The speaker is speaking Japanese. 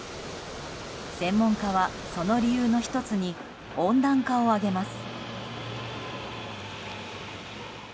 専門家は、その理由の１つに温暖化を挙げます。